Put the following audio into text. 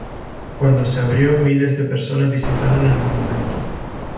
Cuando se abrió, miles de personas visitaron el monumento.